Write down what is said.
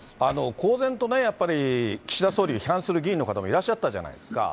公然とね、やっぱり岸田総理、批判する議員の方もいらっしゃったじゃないですか。